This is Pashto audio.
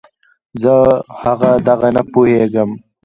زه هغه دغه نه پوهېږم.